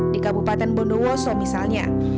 di kabupaten bondowoso misalnya